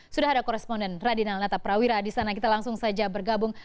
sudah ada koresponden radinal nata prawira di sana kita langsung saja bergabung